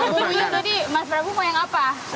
nah mau uya tadi mas prabu mau yang apa